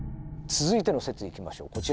続いての説いきましょう。